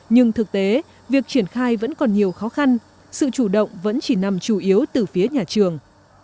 nhưng thực tế việc triển khai vẫn còn nhiều khó khăn sự chủ động vẫn chỉ nằm chủ yếu từ phía nhà trường